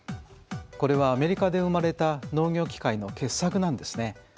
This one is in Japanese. これはアメリカで生まれた農業機械の傑作なんですね。